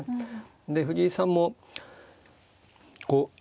で藤井さんもこう左